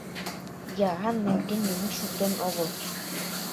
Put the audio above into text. Яан нерген нимат шоктен огыл.